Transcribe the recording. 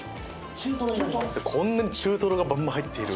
こんなに中トロがばんばん入ってる。